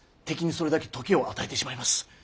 敵にそれだけ時を与えてしまいます。